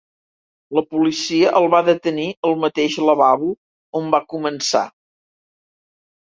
La policia el va detenir al mateix lavabo on va començar.